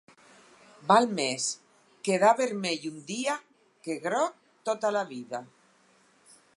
Val més quedar vermell un dia que groc tota la vida.